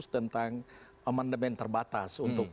tentang emendemen terbatas untuk